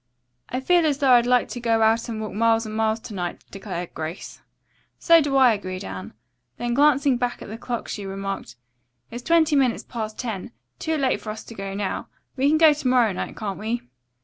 "I feel as though I'd like to go out and walk miles and miles to night," declared Grace. "So do I," agreed Anne. Then glancing back at the clock, she remarked, "It's twenty minutes past ten. Too late for us to go now. We can go to morrow night, can't we?"